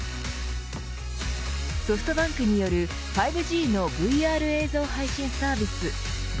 ソフトバンクによる５ＧのＶＲ映像配信サービス